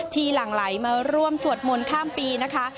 หลั่งไหลมาร่วมสวดมนต์ข้ามปีนะคะ